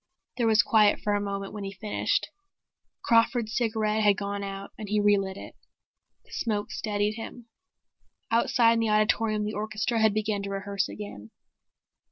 There was quiet for a moment when he finished. Crawford's cigarette had gone out and he relit it. The smoke steadied him. Outside, in the auditorium the orchestra had begun to rehearse again.